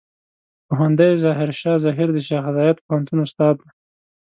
پوهندوی ظاهر شاه زهير د شیخ زايد پوهنتون استاد دی.